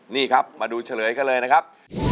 นี่ครับมาดูเฉลยกันเลยนะครับ